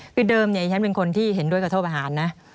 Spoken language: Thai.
คือเดิมฉันเป็นคนที่เห็นด้วยกระโทษประหาร